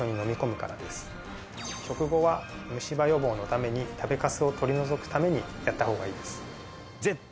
食後は虫歯予防のために食べかすを取り除くためにやった方がいいです。